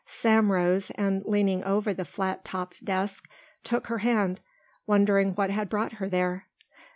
Sam rose, and leaning over the flat topped desk, took her hand, wondering what had brought her there.